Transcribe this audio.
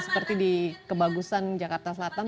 seperti di kebagusan jakarta selatan